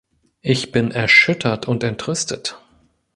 Ich bin erschüttert und entrüstet.